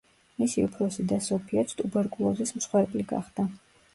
მისი უფროსი და სოფიაც ტუბერკულოზის მსხვერპლი გახდა.